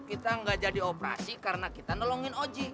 kita gak jadi operasi karena kita nolongin oji